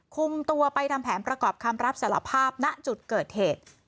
คุมตัวไปทำแผนประกอบคำรับสารภาพณจุดเกิดเหตุ